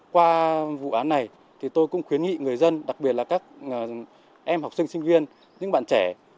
qua vụ án này thì tôi cũng khuyến nghị người dân đặc biệt là các em học sinh sinh viên những bạn trẻ